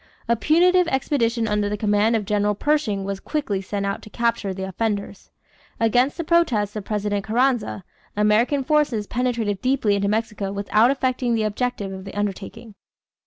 A punitive expedition under the command of General Pershing was quickly sent out to capture the offenders. Against the protests of President Carranza, American forces penetrated deeply into Mexico without effecting the object of the undertaking.